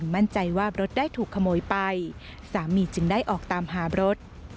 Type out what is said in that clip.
มั่นใจว่ารถได้ถูกขโมยไปสามีจึงได้ออกตามหารถ